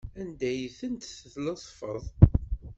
Anda ay tent-tletfeḍ?